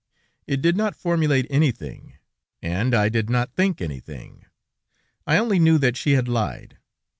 It did not formulate anything, and I did not think anything; I only knew that she had lied.